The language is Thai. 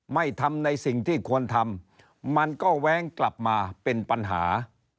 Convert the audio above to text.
ไม่ทำในสิ่งที่ควรทำมันก็แว้งกลับมาเป็นปัญหา